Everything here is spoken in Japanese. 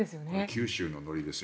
九州ののりです。